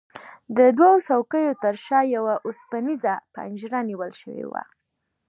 د دوو څوکیو ترشا یوه اوسپنیزه پنجره نیول شوې وه.